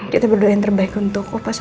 kita berdoa yang terbaik untuk opah sama amanya